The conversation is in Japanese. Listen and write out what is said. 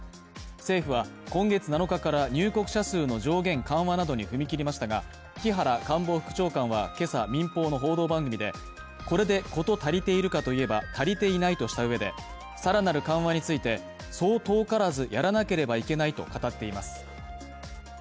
政府は今月７日から入国者数の上限緩和などについて踏切ましたが、木原官房副長官は今朝、民放の報道番組でこれで事足りているかといえば足りていないとしたうえで、更なる緩和について、そう遠からずやらなければいけないと語っています。